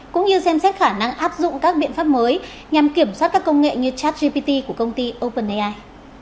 cũng như xem xét khả năng áp dụng các biện pháp mới nhằm kiểm soát các công nghệ như chatgpt của công ty openai